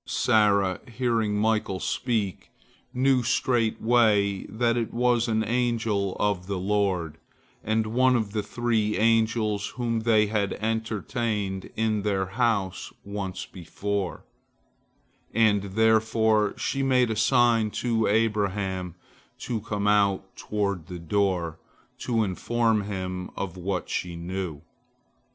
Sarah, hearing Michael speak, knew straightway that it was an angel of the Lord, one of the three angels whom they had entertained in their house once before, and therefore she made a sign to Abraham to come out toward the door, to inform him of what she knew.